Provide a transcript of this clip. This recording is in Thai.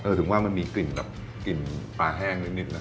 คือถึงว่ามันมีกลิ่นปลาแห้งนิดนะคะ